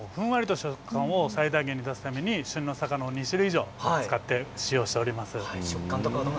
ふんわりした食感を最大限に出すために旬の魚を２種類以上使っています。